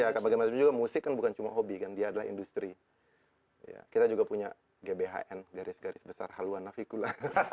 ya bagaimana juga musik kan bukan cuma hobi kan dia adalah industri kita juga punya gbhn garis garis besar haluan navikula